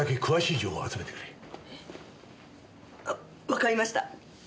えっ？わかりました。